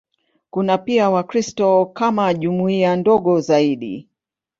Kuna pia Wakristo kama jumuiya ndogo zaidi.